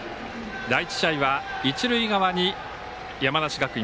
第１試合は一塁側に山梨学院。